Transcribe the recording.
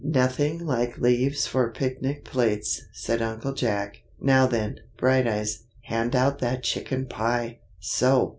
"Nothing like leaves for picnic plates!" said Uncle Jack. "Now then, Brighteyes, hand out that chicken pie! So!